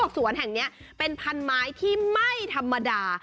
สวนแห่งนี้เป็นพันไม้ที่ไม่ธรรมดา